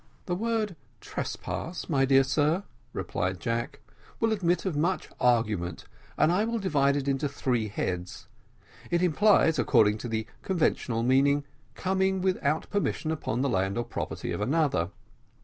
"The word trespass, my dear sir," replied Jack, "will admit of much argument, and I will divide it into three heads. It implies, accordng to the conventional meaning, coming without permission upon the land or property of another.